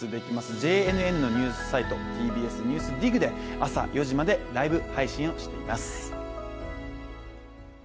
ＪＮＮのニュースサイト「ＮＥＷＳＤＩＧ」で朝４時までライブ配信をしています。